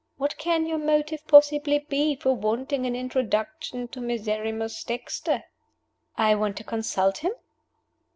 What can your motive possibly be for wanting an introduction to Miserrimus Dexter?" "I want to consult him?"